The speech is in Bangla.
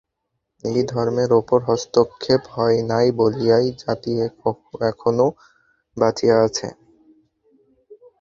এই ধর্মের উপর হস্তক্ষেপ হয় নাই বলিয়াই জাতি এখনও বাঁচিয়া আছে।